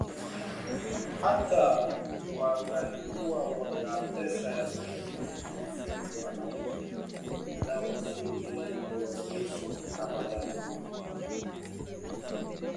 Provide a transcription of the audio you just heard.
hata wangalikuwa na pesa ya kumiliki simu, wanaume zao wasingaliwaruhusu abadani